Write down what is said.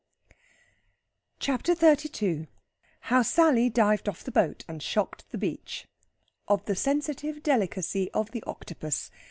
CHAPTER XXXII HOW SALLY DIVED OFF THE BOAT, AND SHOCKED THE BEACH. OF THE SENSITIVE DELICACY OF THE OCTOPUS.